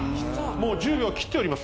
もう１０秒を切っております